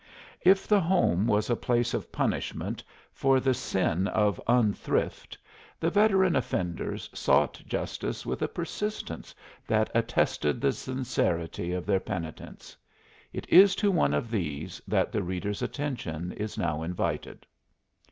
If the Home was a place of punishment for the sin of unthrift the veteran offenders sought justice with a persistence that attested the sincerity of their penitence. It is to one of these that the reader's attention is now invited.